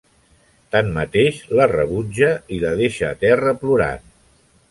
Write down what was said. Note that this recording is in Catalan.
Tanmateix, la rebutja i la deixa a terra plorant.